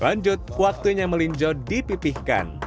lanjut waktunya melinjo dipipihkan